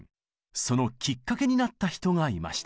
そのきっかけになった人がいました。